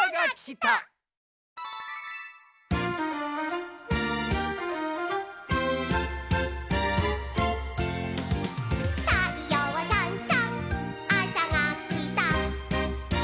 「たいようさんさんあさがきた」